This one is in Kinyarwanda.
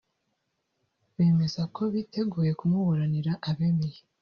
bemeza ko biteguye kumuburanira abemeye